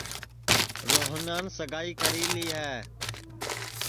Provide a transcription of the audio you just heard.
روہنان ریماس سگائی کری لی ہے